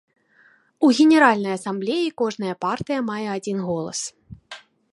У генеральнай асамблеі кожная партыя мае адзін голас.